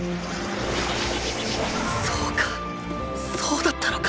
そうかそうだったのか！